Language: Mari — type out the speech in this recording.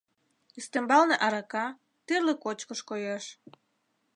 Ӱстембалне арака, тӱрлӧ кочкыш коеш.